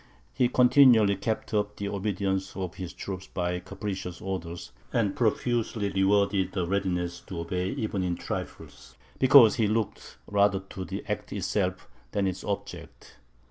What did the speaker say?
He continually kept up the obedience of his troops by capricious orders, and profusely rewarded the readiness to obey even in trifles; because he looked rather to the act itself, than its object.